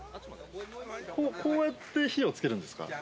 こうやって火をつけるんです